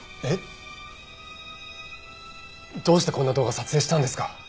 えっ！？どうしてこんな動画撮影したんですか！